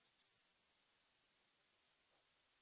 Unapenda matata sana.